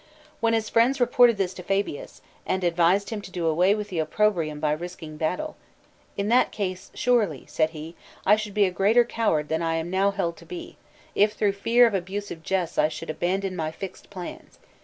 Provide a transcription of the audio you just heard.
When his friends reported this to Fabius, and advised him to do away with the opprobrium by risking battle, "In that case, surely," said he, "I should be a greater coward than I am now held to be, if through fear of abusive jests I should abandon my fixed plans.